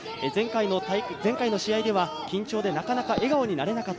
前回の試合では緊張でなかなか笑顔になれなかった。